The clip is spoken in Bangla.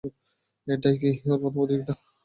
এটাই কি ওর প্রথম প্রতিযোগিতা?